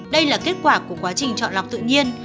đây là kết quả của quá trình chọn lọc tự nhiên